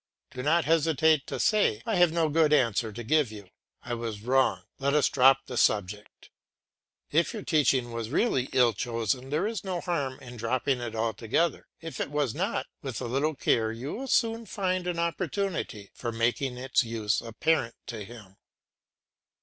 Do not hesitate to say, "I have no good answer to give you; I was wrong, let us drop the subject." If your teaching was really ill chosen there is no harm in dropping it altogether; if it was not, with a little care you will soon find an opportunity of making its use apparent to him.